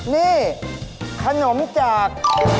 นี่ขนมจาก